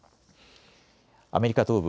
アメリカ東部